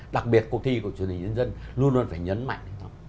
đặc biệt cuộc thi của chương trình dân dân luôn luôn phải nhấn mạnh